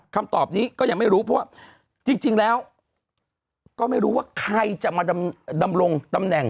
คำตอบนี้ก็ยังไม่รู้เพราะว่าจริงแล้วก็ไม่รู้ว่าใครจะมาดำรงตำแหน่ง